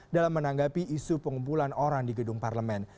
dalam menanggapi isu pengumpulan orang di gedung parlemen